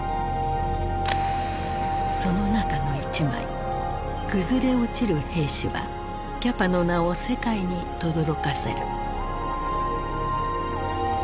その中の一枚「崩れ落ちる兵士」はキャパの名を世界にとどろかせる。